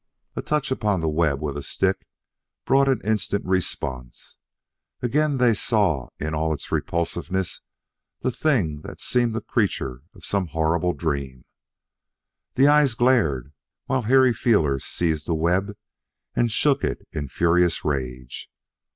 A touch upon the web with a stick brought an instant response. Again they saw in all its repulsiveness the thing that seemed a creature of some horrible dream. The eyes glared, while hairy feelers seized the web and shook it in furious rage.